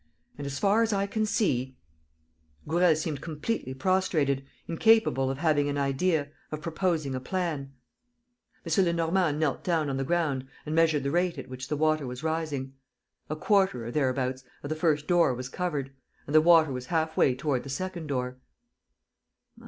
... And, as far as I can see ..." Gourel seemed completely prostrated, incapable of having an idea, of proposing a plan. M. Lenormand knelt down on the ground and measured the rate at which the water was rising. A quarter, or thereabouts, of the first door was covered; and the water was half way toward the second door.